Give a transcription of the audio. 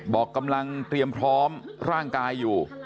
บอกกำลังเตรียมพร้อมร่างกายอยู่